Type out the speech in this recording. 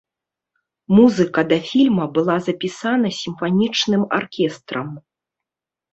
Музыка да фільма была запісана сімфанічным аркестрам.